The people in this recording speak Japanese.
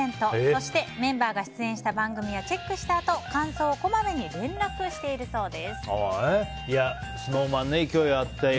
そして、メンバーが出演した番組はチェックしたあと感想をこまめに連絡しているそうです。